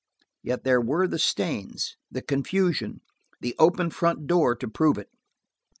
Yet there were the stains, the confusion, the open front door to prove it.